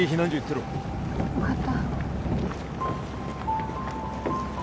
分かった。